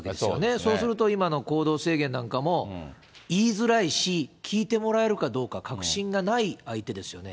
そうすると今の行動制限なんかも言いづらいし、聞いてもらえるかどうか、確信がない相手ですよね。